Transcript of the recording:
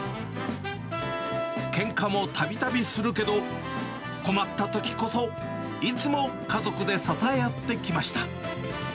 けんかもたびたびするけど、困ったときこそ、いつも家族で支え合ってきました。